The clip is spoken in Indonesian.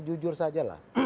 jujur saja lah